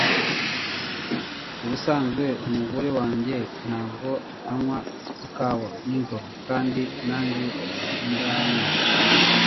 Ubusanzwe umugore wanjye ntabwo anywa ikawa nijoro, kandi nanjye sindanywa.